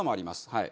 はい。